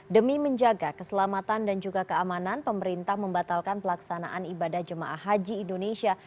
demi menjaga keselamatan dan juga keamanan pemerintah membatalkan pelaksanaan ibadah jemaah haji indonesia